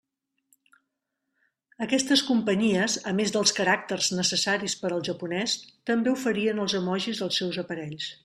Aquestes companyies, a més dels caràcters necessaris per al japonès, també oferien els emojis als seus aparells.